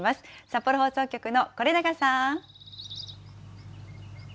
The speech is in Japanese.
札幌放送局の是永さん。